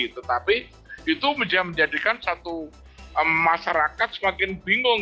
tetapi itu menjadikan satu masyarakat semakin bingung